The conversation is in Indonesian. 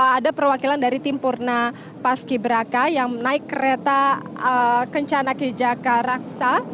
ada perwakilan dari timpurna pas kiberaka yang naik kereta kencana kejaka raksa